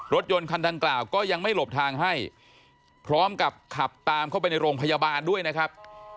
รถยนต์คันดังกล่าวก็ยังไม่หลบทางให้พร้อมกับขับตามเข้าไปในโรงพยาบาลด้วยนะครับ